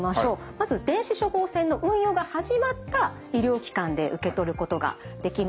まず電子処方箋の運用が始まった医療機関で受け取ることができます。